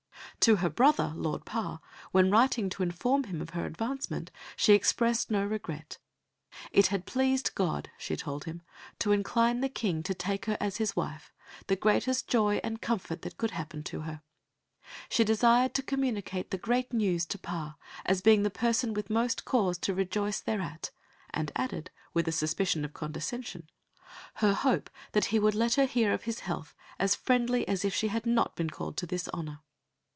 To her brother, Lord Parr, when writing to inform him of her advancement, she expressed no regret. It had pleased God, she told him, to incline the King to take her as his wife, the greatest joy and comfort that could happen to her. She desired to communicate the great news to Parr, as being the person with most cause to rejoice thereat, and added, with a suspicion of condescension, her hope that he would let her hear of his health as friendly as if she had not been called to this honour.